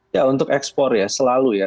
ya untuk ekspor ya selalu ya